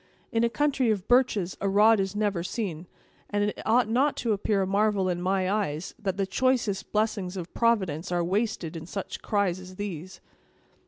In a country of birches, a rod is never seen, and it ought not to appear a marvel in my eyes, that the choicest blessings of Providence are wasted in such cries as these."